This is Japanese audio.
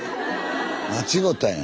間違うたんや。